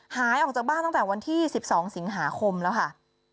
หายออกจากบ้านตั้งแต่วันที่๑๒สิงหาคมแล้วค่ะ